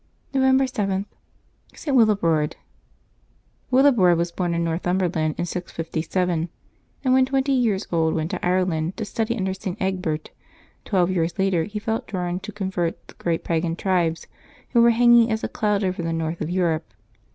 November 7.— ST. WILLIBRORD. ^J^iLLiBRORD was born in Northumberland in 657, and vl/ when twenty years old went to Ireland, to study under St. Egbert; twelve years later, he felt drawn to con vert the great pagan tribes who were hanging as a cloud over the north of Europe.